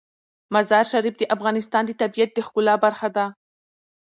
مزارشریف د افغانستان د طبیعت د ښکلا برخه ده.